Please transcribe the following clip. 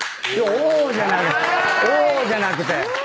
「おぉ」じゃなくて。